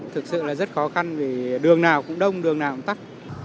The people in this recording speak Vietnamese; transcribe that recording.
thực sự là rất khó khăn vì đường nào cũng đông đường nào cũng tắt